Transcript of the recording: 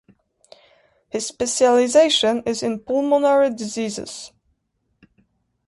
His specialization is in pulmonary diseases.